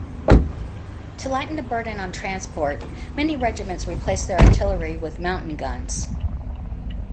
To lighten the burden on transport, many regiments replaced their artillery with mountain guns.